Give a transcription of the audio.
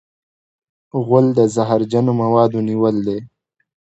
غول د زهرجنو موادو نیول دی.